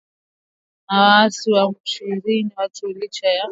na waasi wa M ishirini na tatu licha ya makubaliano ya Angola